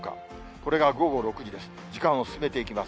これが午後６時です。